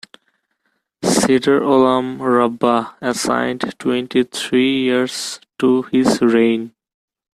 Seder Olam Rabbah assigned twenty-three years to his reign.